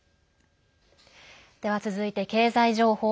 では、続いて経済情報。